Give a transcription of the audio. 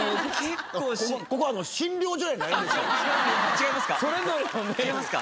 違いますか。